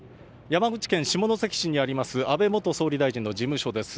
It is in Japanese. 山口県下関市にあります安倍元総理大臣の事務所です。